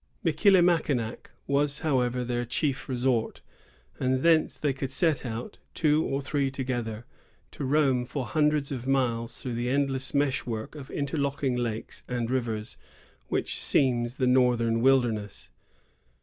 Michilimackinac was, however, their chief resort; and thence they would set out, two or three together, to roam for hundreds of miles through the endless mesh work of inter locking lakes and rivers, which seams the northern wilderness.